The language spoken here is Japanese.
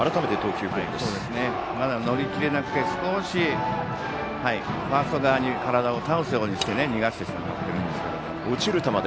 まだ乗り切れなくて少しファースト側に体を倒すようにして逃がしてしまってるんですが。